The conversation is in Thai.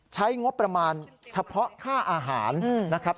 ใช้งบประมาณเฉพาะค่าอาหารนะครับ